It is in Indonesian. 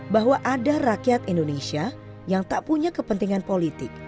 bahwa ada rakyat indonesia yang tak punya kepentingan politik